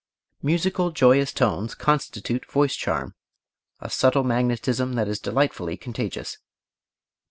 Musical, joyous tones constitute voice charm, a subtle magnetism that is delightfully contagious.